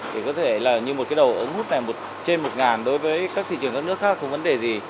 thì có thể là như một cái đầu ống hút này trên một ngàn đối với các thị trường các nước khác không vấn đề gì